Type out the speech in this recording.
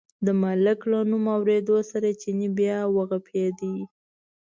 د ملک له نوم اورېدو سره چیني بیا و غپېد.